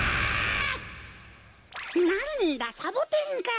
なんだサボテンか。